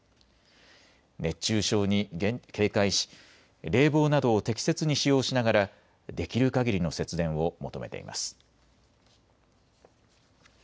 熱中症に警戒し冷房などを適切に使用しながらできるかぎりの節電を求めています。